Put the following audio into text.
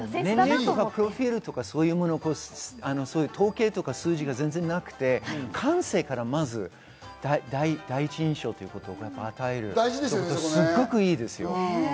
プロフィールとか、そういうものを統計とか数字が全然なくて、感性からまず第一印象ということを与えるということは、すごくいいです。